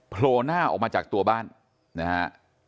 โผล่หน้าออกมาจากตัวบ้านนะฮะ